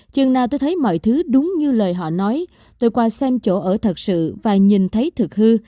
chừng nào tôi thấy mọi thứ đúng như lời họ nói tôi qua xem chỗ ở thật sự và nhìn thấy thực hư